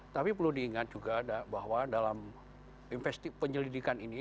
tapi perlu diingat juga bahwa dalam penyelidikan ini